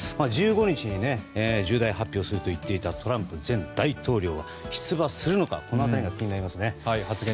１５日に重大発表をすると言っていたトランプ前大統領は出馬するのかこの辺りが気になりますね。